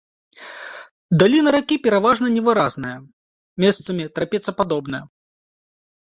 Даліна ракі пераважна невыразная, месцамі трапецападобная.